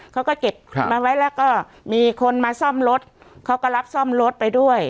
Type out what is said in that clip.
เขาก็เก็บมาไว้แล้วก็มีคนมาซ่อมรถเขาก็รับซ่อมรถไปด้วย